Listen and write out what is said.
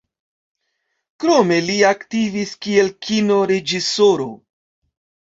Krome li aktivis kiel Kino-reĝisoro.